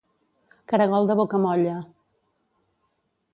Caragol de boca molla.